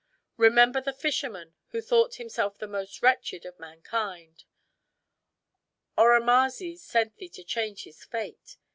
Remember the fisherman who thought himself the most wretched of mankind. Oromazes sent thee to change his fate.